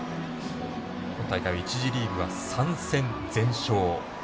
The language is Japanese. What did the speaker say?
今大会１次リーグは３戦全勝。